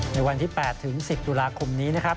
ในวันที่๘ถึง๑๐ตุลาคมนี้นะครับ